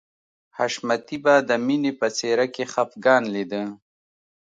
حشمتي به د مینې په څېره کې خفګان لیده